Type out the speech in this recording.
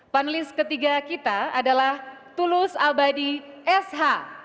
panelis ketiga kita adalah tulus abadi sh